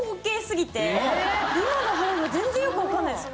今の全然よくわかんないです。